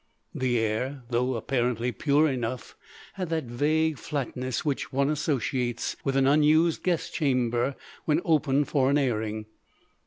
The air, though apparently pure enough, had that vague flatness which one associates with an unused guest chamber when opened for an airing.